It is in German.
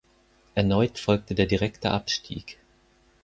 Erneut folgte der direkte Abstieg.